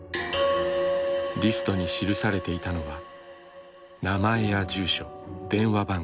リストに記されていたのは名前や住所電話番号。